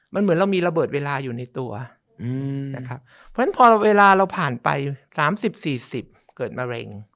มันเหมือนเรามีระเบิดเวลาอยู่ในตัวพอเวลาเราผ่านไป๓๐๔๐เกิดมะเร็ง